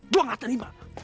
gue nggak terima